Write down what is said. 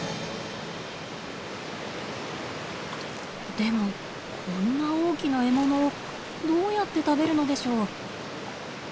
でもこんな大きな獲物をどうやって食べるのでしょう。